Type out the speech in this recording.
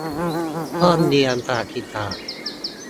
ห้องเรียนประวัติศาสตร์